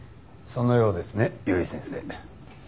そのようですね由井先生。